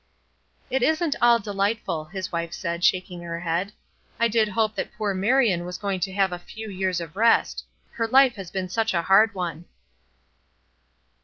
"It isn't all delightful," his wife said, shaking her head. "I did hope that poor Marion was going to have a few years of rest. Her life has been such a hard one."